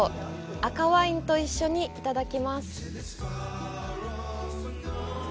赤ワインと一緒にいただきます。